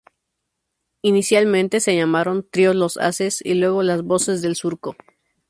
Inicialmente se llamaron "Trío Los Ases" y luego "Las Voces del Surco".